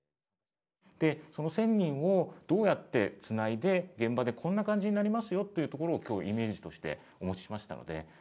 その１，０００人をどうやってつないで現場でこんな感じになりますよっていうところを今日イメージとしてお持ちしましたので。